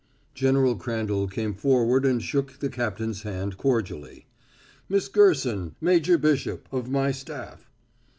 General Crandall came forward and shook the captain's hand cordially. "Miss Gerson, Major Bishop, of my staff."